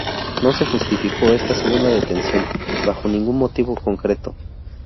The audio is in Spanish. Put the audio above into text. No se justificó esta segunda detención bajo ningún motivo concreto.